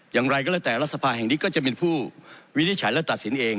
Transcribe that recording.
อย่างไรก็แล้วแต่รัฐสภาแห่งนี้ก็จะเป็นผู้วินิจฉัยและตัดสินเอง